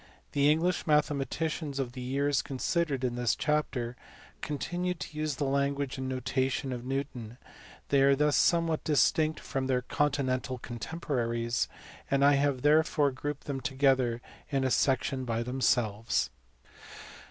The English mathematicians of the years considered in this chapter continued to use the language and notation of Newton : they are thus somewhat distinct from their continental contemporaries, and I have therefore grouped them together in a section by themselves.